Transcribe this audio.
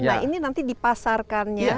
nah ini nanti dipasarkannya